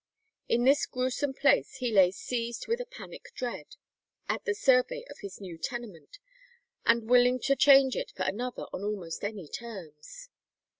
In this gruesome place, he lay "seized with a panic dread" at the survey of his new tenement, and willing to change it for another on almost any terms.